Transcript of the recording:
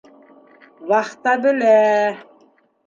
Вахта белә!